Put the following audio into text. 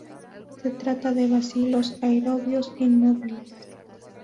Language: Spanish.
Se trata de bacilos aerobios, inmóviles.